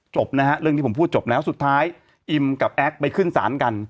จบนะฮะเรื่องที่ผมพูดจบแล้วสุดท้ายอิมกับแอ๊กไปขึ้นศาลกัน